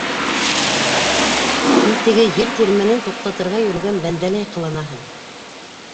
Һин теге ел тирмәнен туҡтатырға йөрөгән бәндәләй ҡыланаһың!